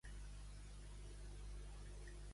Què va fer finalment després de mantenir-se mut?